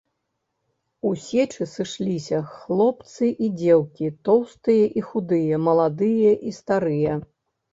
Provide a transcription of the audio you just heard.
У сечы сышліся хлопцы і дзеўкі, тоўстыя і худыя, маладыя і старыя.